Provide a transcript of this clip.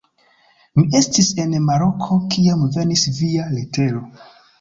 Mi estis en Maroko, kiam venis via letero.